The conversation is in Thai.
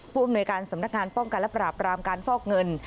ผู้อำนวยการสำนักงานป้องกันและปราบรามการฟอกเงิน